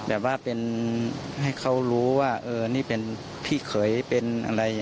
อะไรอย่างนี้ครับ